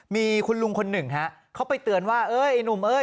มีคุณลุงคนหนึ่งฮะเขาไปเตือนว่าเอ้ยไอ้หนุ่มเอ้ย